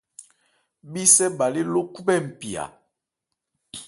Bhísɛ bhâ lé ló khúbhɛ́ npi a.